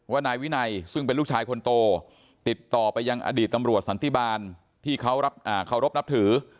นายวินัยซึ่งเป็นลูกชายคนโตติดต่อไปยังอดีตตำรวจสันติบาลที่เขาเคารพนับถือ